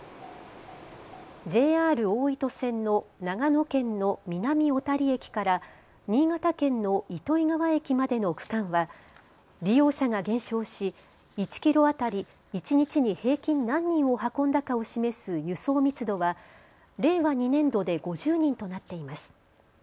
ＪＲ大糸線の長野県の南小谷駅から新潟県の糸魚川駅までの区間は利用者が減少し１キロ当たり一日に平均何人を運んだかを示す輸送密度は令和２年度で５０人となっています。